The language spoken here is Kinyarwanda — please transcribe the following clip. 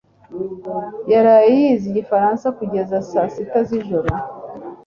yaraye yize igifaransa kugeza saa sita z'ijoro.